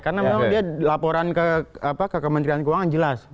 karena memang dia laporan ke kementerian keuangan jelas